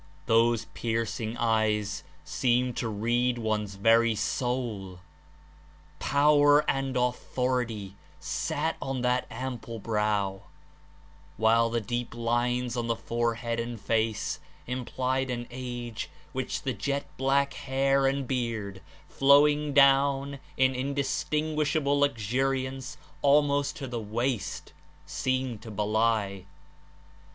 Those piercing eyes seemed to read one's very soul; power and authority sat on that ample brow, while the deep lines on the forehead and face implied an age which the jet black hair and beard, flowing down In indistinguishable luxuriance almost to the waist, seemed to belie.